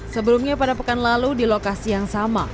sebelumnya pada pekan lalu di lokasi yang sama